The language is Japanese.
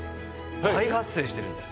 大発生してるんです。